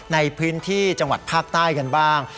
ในพื้นที่จังหวัดภาคใต้กันบ้าง